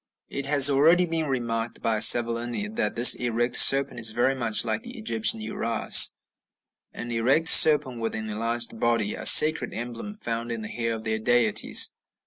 It has already been remarked by Savolini that this erect serpent is very much like the Egyptian Uræus, an erect serpent with an enlarged body a sacred emblem found in the hair of their deities.